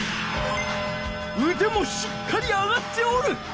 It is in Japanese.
うでもしっかり上がっておる。